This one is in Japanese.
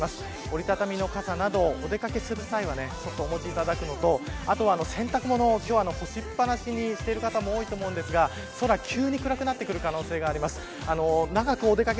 折り畳みの傘などお出掛けする際は１つお持ちいただくのとあとは洗濯物を今日は干しっぱなしにしている方も多いと思うんですが空が急に暗くなってくる可能性があります。